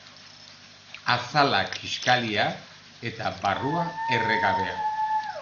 Azala kiskalia eta barrua erre gabea.